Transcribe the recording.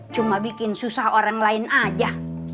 cuma bikin susah orang lain aja